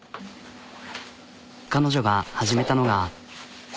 彼女が始めたのが。